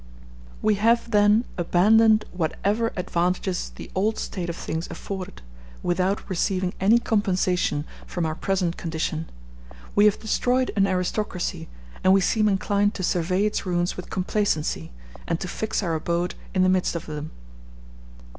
We have, then, abandoned whatever advantages the old state of things afforded, without receiving any compensation from our present condition; we have destroyed an aristocracy, and we seem inclined to survey its ruins with complacency, and to fix our abode in the midst of them.